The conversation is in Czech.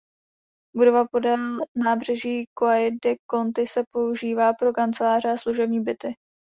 Budova podél nábřeží "Quai de Conti" se používá pro kanceláře a služební byty.